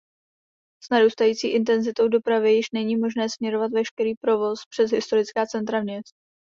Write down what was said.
S narůstající intenzitou dopravy již není možné směřovat veškerý provoz přes historická centra měst.